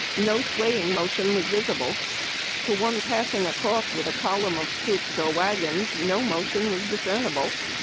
No swaying motion was visible. To one passing across with a column of troops or wagons no motion was discernible.